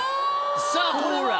さぁこれは。